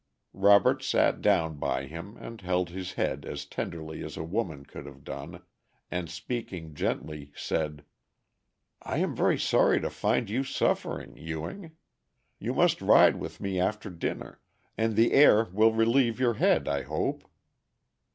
Robert sat down by him and held his head as tenderly as a woman could have done, and speaking gently said: "I am very sorry to find you suffering, Ewing. You must ride with me after dinner, and the air will relieve your head, I hope."